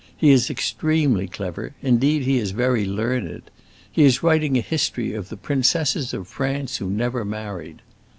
He is extremely clever; indeed he is very learned. He is writing a history of The Princesses of France Who Never Married."